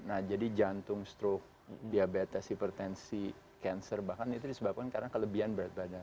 nah jadi jantung stroke diabetes hipertensi cancer bahkan itu disebabkan karena kelebihan berat badan